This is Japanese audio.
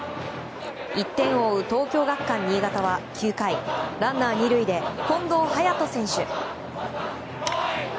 １点を追う東京学館新潟は９回、ランナー２塁で近藤颯斗選手。